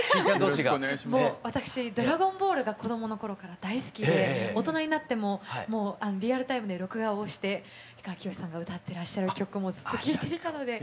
もう私「ドラゴンボール」が子供のころから大好きで大人になってもリアルタイムで録画をして氷川きよしさんが歌ってらっしゃる曲もずっと聴いていたので。